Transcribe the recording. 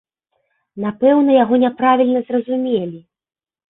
Напэўна, яго няправільна зразумелі.